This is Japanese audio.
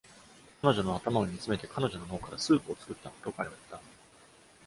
彼女の頭を煮詰めて彼女の脳からスープを作ったと彼は言った。